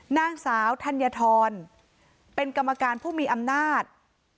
นางสาวธัญฑรเป็นกรรมการผู้มีอำนาจ